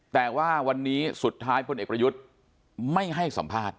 แต่ว่าวันนี้สุดท้ายพยไม่ให้สัมภาษณ์